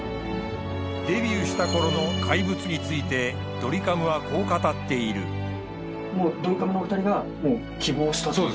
デビューした頃の怪物についてドリカムはこう語っているはい。